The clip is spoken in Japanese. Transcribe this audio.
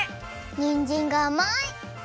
にんじんがあまい！